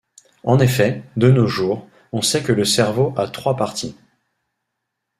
En effet, de nos jours, on sait que le cerveau a trois parties.